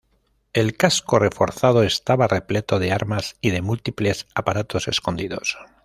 El casco reforzado estaba repleto de armas y de múltiples aparatos escondidos.